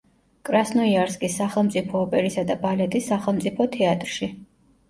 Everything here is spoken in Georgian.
კრასნოიარსკის სახელმწიფო ოპერისა და ბალეტის სახელმწიფო თეატრში.